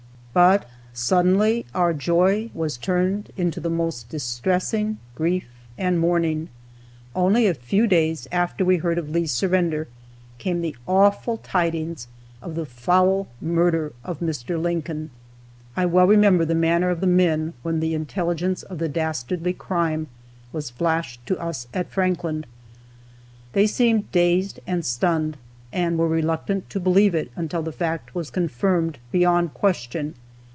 But suddenly our joy was turned into the most distressing grief and mourning. Only a few days after we heard of Lee's surrender came the awful tidings of the foul murder of Mr. Lincoln. I well remember the manner of the men when the intelligence of the dastardly crime was flashed to us at Franklin. They seemed dazed and stunned, and were reluctant to believe it, until the fact was confirmed beyond question.